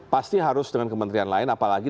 pasti harus dengan kementerian lain apalagi